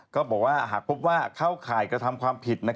ก็บอกว่าหากพบว่าเข้าข่ายกระทำความผิด